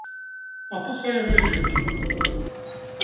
Aṭas ay aɣ-icerken.